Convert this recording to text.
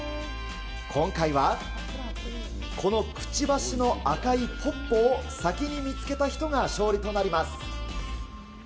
今回は、このくちばしの赤いポッポを、先に見つけた人が勝利となります。